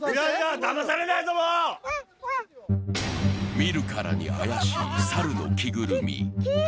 見るからにあやしい猿の着ぐるみ。